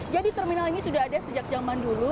jadi terminal ini sudah ada sejak zaman dulu